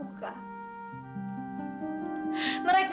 mereka orang tua aku kak